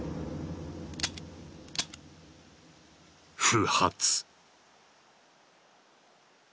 不発。